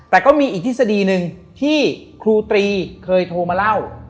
แต่ก็มีอีกทฤษฎีหนึ่งที่ครูตรีเคยโทรมาเล่า